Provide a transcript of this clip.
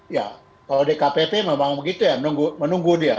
ya kalau dkpp memang begitu ya menunggu dia